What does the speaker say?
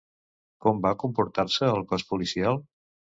Com va comportar-se el cos policial?